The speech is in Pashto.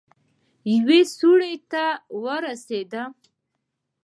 يوې سوړې ته ورسېدم.